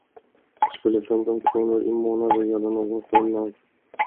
Skulle femton kronor i månaden göra någon skillnad?